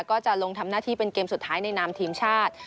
ก็จะลงทำหน้าที่เป็นเกมสุดท้ายในนามทีมชาติ